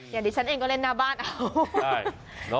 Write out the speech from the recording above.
อย่างที่ฉันเองก็เล่นหน้าบ้านเอา